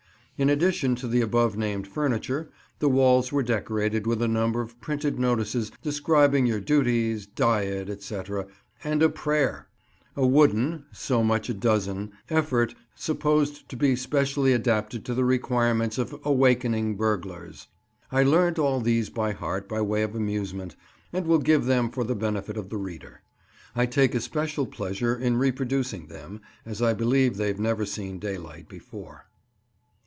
In addition to the above named furniture, the walls were decorated with a number of printed notices describing your duties, diet, &c., and a prayer (!); a wooden—so much a dozen—effort, supposed to be specially adapted to the requirements of "awakening burglars." I learnt all these by heart by way of amusement, and will give them for the benefit of the reader. I take especial pleasure in reproducing them, as I believe they've never seen daylight before.